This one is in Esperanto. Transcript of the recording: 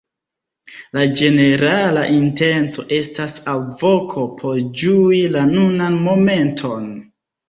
La ĝenerala intenco estas alvoko por ĝui la nunan momenton.